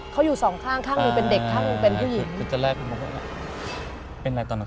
เขาอยู่สองข้างข้างมีเป็นเด็กข้างมีเป็นผู้หญิง